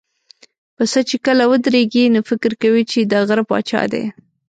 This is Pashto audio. پسه چې کله ودرېږي، نو فکر کوي چې د غره پاچا دی.